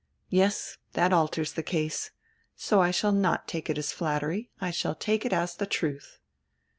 Yes, diat alters die case. So I shall not take it as flattery, I shall take it as die truth."